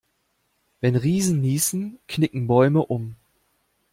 Wenn Riesen niesen, knicken Bäume um.